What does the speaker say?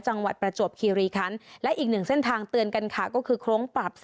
จังหวัดประจบคีรีคันและอีกหนึ่งเส้นทางเตือนกันค่ะ